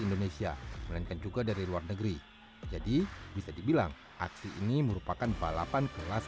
indonesia melainkan juga dari luar negeri jadi bisa dibilang aksi ini merupakan balapan kelas